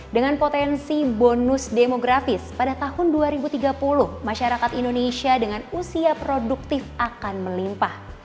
dengan potensi bonus demografis pada tahun dua ribu tiga puluh masyarakat indonesia dengan usia produktif akan melimpah